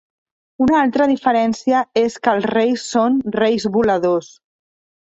Una altra diferència és que els reis són Reis voladors.